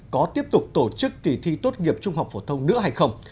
có tiếp tục tổ chức kỳ thi tốt nghiệp trung học phổ thông nữa hay không